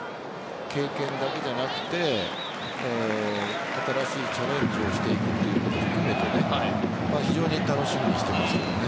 経験だけじゃなくて新しいチャレンジをしていくということも含めて非常に楽しみにしています。